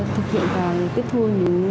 thực hiện và tiếp thu những